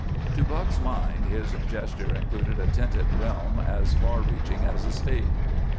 To Buck's mind, his gesture included a tinted realm as far reaching as a state.